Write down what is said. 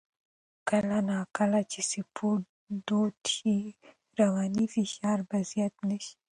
کله نا کله چې سپورت دود شي، رواني فشار به زیات نه شي.